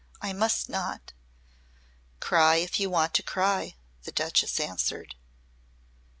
I must not." "Cry if you want to cry," the Duchess answered.